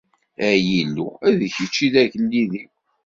Ay Illu, d kečč i d agellid-iw.